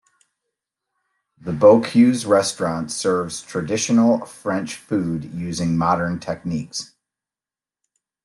The Bocuse Restaurant serves traditional French food using modern techniques.